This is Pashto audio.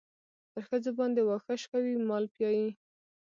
پر ښځو باندې واښه شکوي مال پيايي.